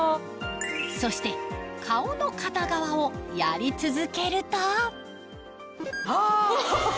そして顔の片側をやり続けるとは！